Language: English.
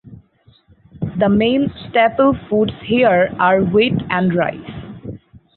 The main staple foods here are wheat and rice.